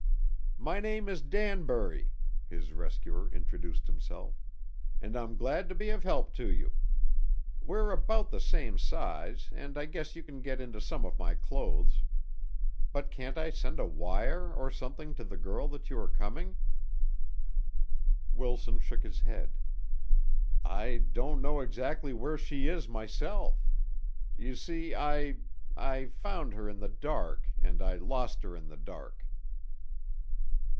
"My name is Danbury," his rescuer introduced himself, "and I'm glad to be of help to you. We're about the same size and I guess you can get into some of my clothes. But can't I send a wire or something to the girl that you are coming?" Wilson shook his head. "I don't know exactly where she is myself. You see I I found her in the dark and I lost her in the dark."